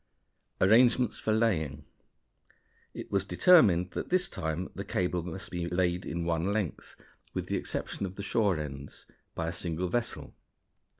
Arrangements for Laying. It was determined that this time the cable must be laid in one length, with the exception of the shore ends, by a single vessel.